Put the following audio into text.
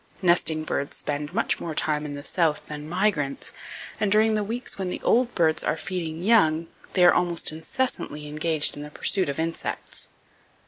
Nesting birds spend much more time in the South than migrants, and during the weeks when the old birds are feeding young they are almost incessantly engaged in the pursuit of insects.